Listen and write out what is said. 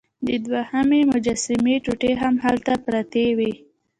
د دوهمې مجسمې ټوټې هم هلته پرتې وې.